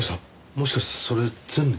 もしかしてそれ全部？